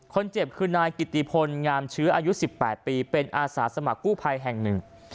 คนเจ็บคือนายกิติพลงามเชื้ออายุ๑๘ปีเป็นอาสาสมัครกู้ภัยแห่งหนึ่ง